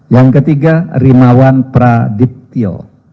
yang ketiga rimawan pradiptyo